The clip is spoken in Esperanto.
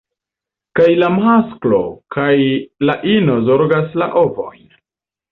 Kaj la masklo kaj la ino zorgas la ovojn.